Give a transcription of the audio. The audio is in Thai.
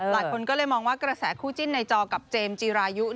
หลายคนก็เลยมองว่ากระแสคู่จิ้นในจอกับเจมส์จีรายุ